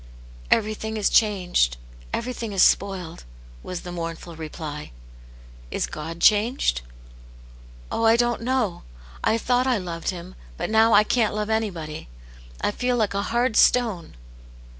"Everything is changed; everything is spoiled," was the mournful reply. " Is God changed .^"" Oh, I don't know. I thought I loved Him, but now I can't love anybody. I feel like a hard stone."